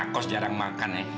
aku jarang makan ya